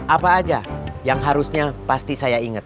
apa aja yang harusnya pasti saya ingat